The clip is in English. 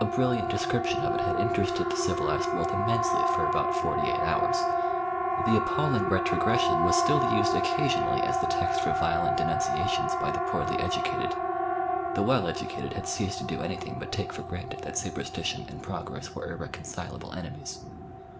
A brilliant description of it had interested the civilised world immensely for about forty eight hours; the appalling retrogression was still used occasionally as the text for violent denunciations by the poorly educated; the well educated had ceased to do anything but take for granted that superstition and progress were irreconcilable enemies.